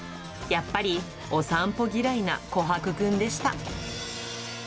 やっぱり、お散歩嫌いなコハクくんでした。